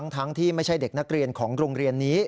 ทั้งที่ไม่ใช่เด็กนักเรียนของโรงเรียนนี้